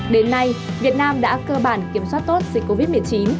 đến nay việt nam đã cơ bản kiểm soát tốt dịch covid một mươi chín